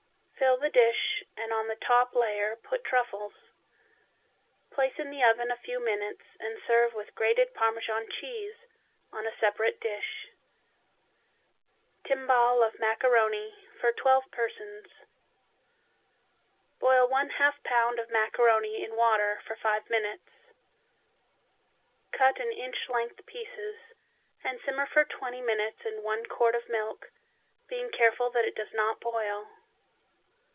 Fill the dish and on the top layer put truffles. Place in the oven a few minutes and serve with grated Parmesan cheese on a separate dish. Timbale of Macaroni for Twelve Persons Boil one half pound of macaroni in water for five minutes. Cut in inch length pieces and simmer for twenty minutes in one quart of milk, being careful that it does not boil.